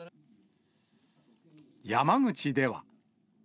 山口では。